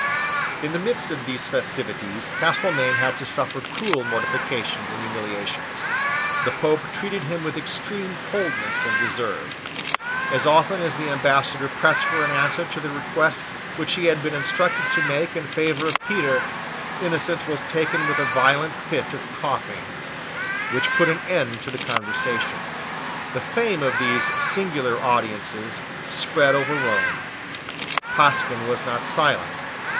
In the midst of these festivities Castelmaine had to suffer cruel mortifications and humiliations. The Pope treated him with extreme coldness and reserve. As often as the Ambassador pressed for an answer to the request which he had been instructed to make in favour of Petre, Innocent was taken with a violent fit of coughing, which put an end to the conversation. The fame of these singular audiences spread over Rome. Pasquin was not silent.